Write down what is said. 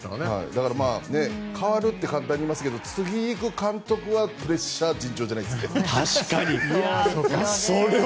だから代わるって簡単に言いますが次の監督はプレッシャーが尋常じゃないですよ。